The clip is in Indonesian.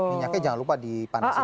minyaknya jangan lupa dipanasin dulu ya